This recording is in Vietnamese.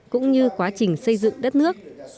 cũng như quá trình xây dựng đất nước